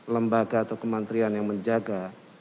lembaga atau kementerian yang menjaga